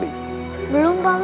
dengan terlalu banyak lagu